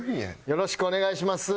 よろしくお願いします。